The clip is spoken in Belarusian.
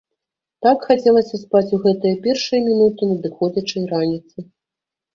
Так хацелася спаць у гэтыя першыя мінуты надыходзячай раніцы!